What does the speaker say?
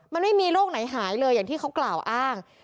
มันไม่มีโรคไหนหายเลยอย่างที่เขากล่าวอ้าง